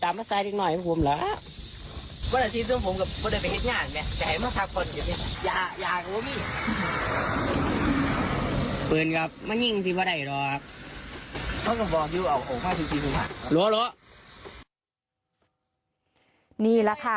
นี่แหละค่ะ